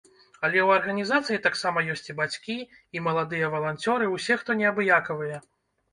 Але ў арганізацыі таксама ёсць і бацькі, і маладыя валанцёры, усе, хто неабыякавыя.